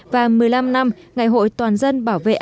và một mươi năm năm ngày hội toàn dân bảo vệ